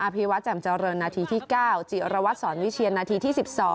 พี่วัดแจ่มเจริญนาทีที่๙จิรวัตรสอนวิเชียนนาทีที่๑๒